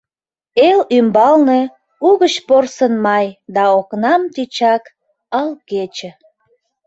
Эл ӱмбалне — угыч порсын май Да окнам тичак — ал кече.